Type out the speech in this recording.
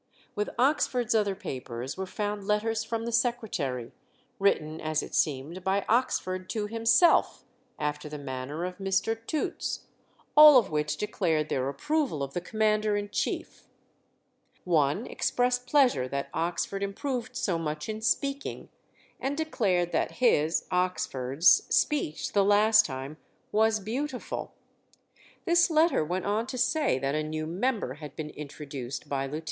With Oxford's other papers were found letters from the secretary, written as it seemed by Oxford to himself, after the manner of Mr. Toots, all of which declared their approval of the commander in chief. One expressed pleasure that Oxford improved so much in speaking, and declared that his (Oxford's) speech the last time "was beautiful." This letter went on to say that a new member had been introduced by Lieut.